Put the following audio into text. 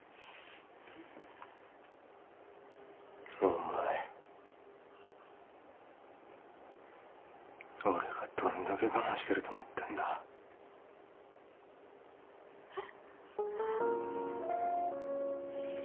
お前俺がどんだけ我慢してると思ってんだえっ？